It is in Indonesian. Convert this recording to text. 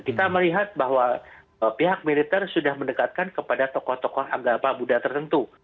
kita melihat bahwa pihak militer sudah mendekatkan kepada tokoh tokoh agama buddha tertentu